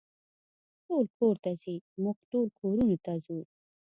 ټول کور ته ځي، موږ ټول کورونو ته ځو.